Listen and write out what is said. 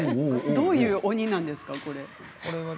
どういう鬼なんですかこれは。